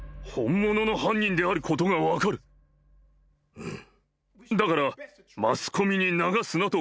うん。